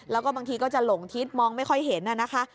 แล้วก็บางทีก็จะหลงทิศมองไม่ค่อยเห็นนะคะ